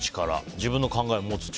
自分の考えを持つ力